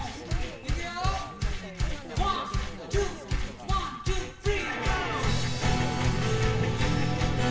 いくよ１２１２３！